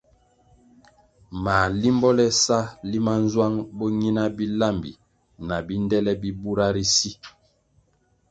Mā limbo le sa limanzwang bo nyina bilambi na bindele bi bura ri si!